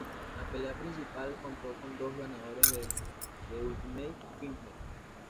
La pelea principal contó con dos ganadores del The Ultimate Fighter.